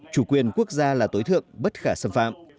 chủ quyền quốc gia là tối thượng bất khả xâm phạm